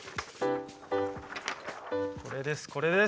これですこれです。